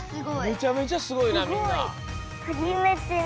めちゃめちゃすごいなみんな！